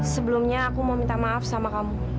sebelumnya aku mau minta maaf sama kamu